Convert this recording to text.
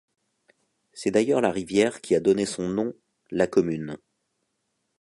C'est d'ailleurs la rivière qui a donné son nom la commune.